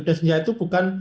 dan senjata itu bukan